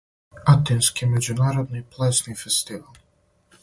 Атински међународни плесни фестивал.